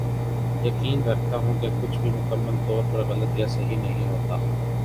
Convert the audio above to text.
یقین رکھتا ہوں کہ کچھ بھی مکمل طور پر غلط یا صحیح نہیں ہوتا